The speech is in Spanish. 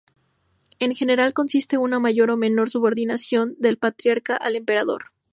En general consiste en una mayor o menor subordinación del Patriarca al Emperador.